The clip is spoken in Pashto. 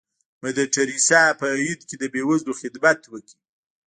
مدر ټریسا په هند کې د بې وزلو خدمت وکړ.